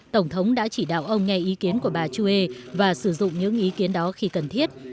tổng thống đã chỉ đạo ông nghe ý kiến của bà chue và sử dụng những ý kiến đó khi cần thiết